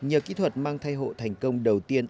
nhờ kỹ thuật mang thai hộ thành công đầu tiên